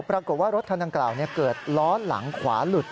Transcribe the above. ปรากฏว่ารถคันดังกล่าวเกิดล้อหลังขวาหลุด